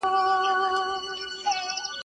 يا غوا غيي، يا غړکي څيري.